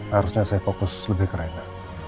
harusnya saya fokus lebih ke reda